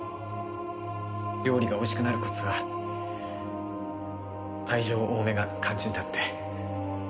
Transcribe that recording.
料理が美味しくなるコツは愛情多めが肝心だって。